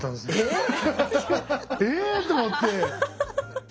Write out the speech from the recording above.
⁉え⁉と思って。